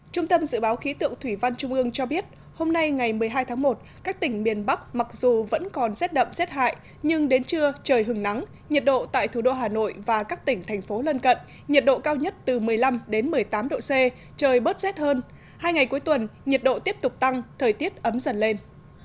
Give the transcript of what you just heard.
trung tâm dự báo khí tượng thủy văn trung ương cho biết hôm nay ngày một mươi hai tháng một các tỉnh miền bắc mặc dù vẫn còn rét đậm rét hại nhưng đến trưa trời hừng nắng nhiệt độ tại thủ đô hà nội và các tỉnh thành phố lân cận nhiệt độ cao nhất từ một mươi năm một mươi tám độ c trời bớt rét hơn hai ngày cuối tuần nhiệt độ tiếp tục tăng thời tiết ấm dần lên